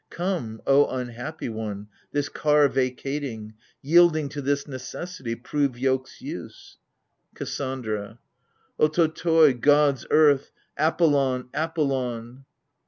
Come, O unhappy one, this car vacating, Yielding to this necessity, prove yoke's use ! KASSANDRA. Otototoi, Gods, Earth — Apollon, Apollon